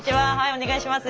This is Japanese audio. お願いします。